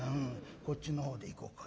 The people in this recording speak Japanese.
こっちのほうでいこうか。